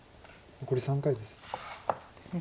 残り３回です。